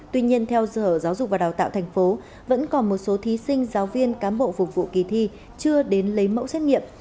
tuy nhiên theo sở giáo dục và đào tạo thành phố vẫn còn một số thí sinh giáo viên cán bộ phục vụ kỳ thi chưa đến lấy mẫu xét nghiệm